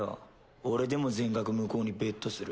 俺でも全額向こうにベットする。